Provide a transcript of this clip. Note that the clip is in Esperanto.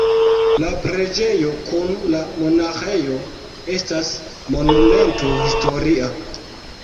La preĝejo kun la monaĥejo estas Monumento historia.